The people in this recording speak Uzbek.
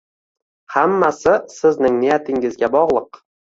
Hammasi sizning niyatingizga bog'liq!